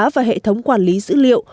và hệ thống quản lý dữ liệu